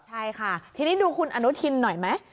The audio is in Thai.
ใช่ค่ะทีนี้ดูคุณอนุทินหน่อยไหม